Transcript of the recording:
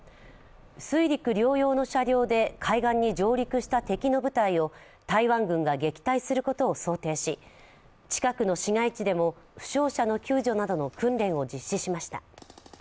水陸両用の車両で海岸に上陸した敵の部隊を台湾軍が撃退することを想定し、近くの市街地でも負傷者の救助などの訓練を実施しました。